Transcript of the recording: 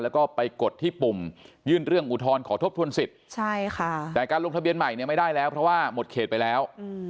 แล้วก็ไปกดที่ปุ่มยื่นเรื่องอุทธรณ์ขอทบทวนสิทธิ์แต่การลงทะเบียนใหม่เนี่ยไม่ได้แล้วเพราะว่าหมดเขตไปแล้ว